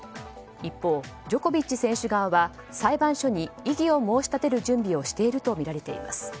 一方、ジョコビッチ選手側は裁判所に異議を申し立てる準備をしているとみられています。